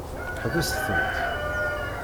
Ḥbes-tent!